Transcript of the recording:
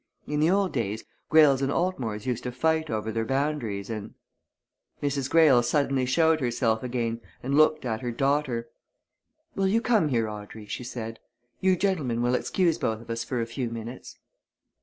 In the old days, Greyles and Altmores used to fight over their boundaries, and " Mrs. Greyle suddenly showed herself again and looked at her daughter. "Will you come here, Audrey?" she said. "You gentlemen will excuse both of us for a few minutes?"